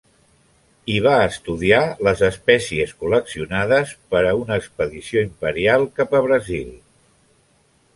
Hi va estudiar les espècies col·leccionades per a una expedició imperial cap a Brasil.